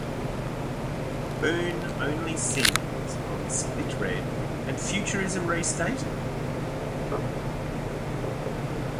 Boon only sings on "Split Red" and "Futurism Restated".